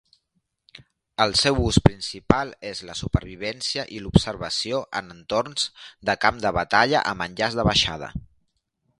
El seu ús principal és la supervivència i l'observació en entorns de camp de batalla amb enllaç de baixada.